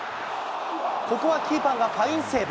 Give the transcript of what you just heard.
ここはキーパーがファインセーブ。